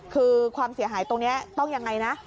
คือความเสียหายตรงนี้ต้องยังไงนะ